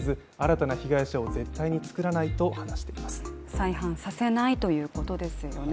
再犯させないということですよね。